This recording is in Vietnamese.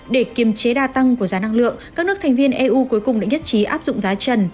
để kiềm chế đa tăng của giá năng lượng các nước thành viên eu cuối cùng đã nhất trí áp dụng giá trần